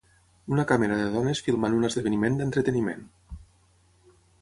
Una càmera de dones filmant un esdeveniment d'entreteniment